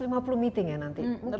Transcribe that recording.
satu ratus lima puluh meeting ya nanti